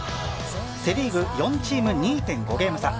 セ・リーグ４チーム、２．５ゲーム差